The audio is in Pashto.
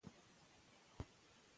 که مایک وي نو غږ نه ورکیږي.